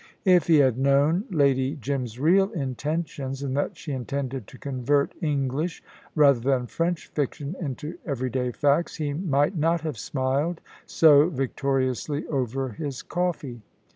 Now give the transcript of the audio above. If he had known Lady Jim's real intentions, and that she intended to convert English rather than French fiction into everyday facts, he might not have smiled so victoriously over his coffee.